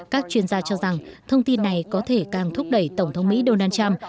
các chuyên gia cho rằng thông tin này có thể càng thúc đẩy tổng thống mỹ donald trump